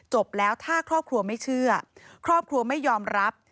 แล้วถ้าครอบครัวไม่เชื่อครอบครัวไม่ยอมรับ